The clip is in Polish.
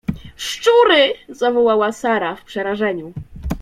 — Szczury! — zawołała Sara w przerażeniu.